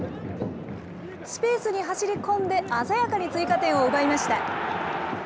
スペースに走り込んで鮮やかに追加点を奪いました。